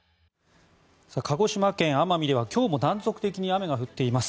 鹿児島県奄美では今日も断続的に雨が降っています。